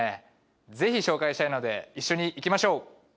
ぜひ紹介したいので一緒に行きましょう！